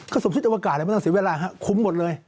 ก็สมชิตอวกาศไม่ต้องเสียเวลาคุมหมดเลย